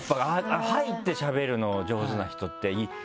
入ってしゃべるの上手な人っているから。